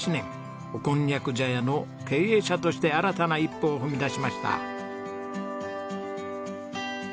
おこんにゃく茶屋の経営者として新たな一歩を踏み出しました。